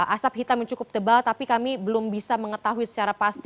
asap hitam yang cukup tebal tapi kami belum bisa mengetahui secara pasti